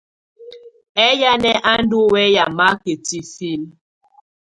Ɛyanɛ̀ á ndù wɛ̀ya maka tifilǝ?